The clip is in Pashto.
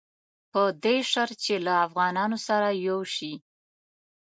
خو په دې شرط چې له افغانانو سره یو شي.